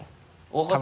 分かった？